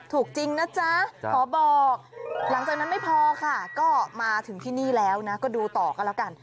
จริงนะจ๊ะขอบอกหลังจากนั้นไม่พอค่ะก็มาถึงที่นี่แล้วนะก็ดูต่อกันแล้วกัน